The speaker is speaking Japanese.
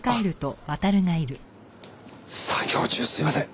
作業中すみません。